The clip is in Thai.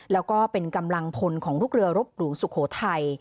แล้วก็เป็นกำลังพลของลูกเรือรบหลู่สุโขทัย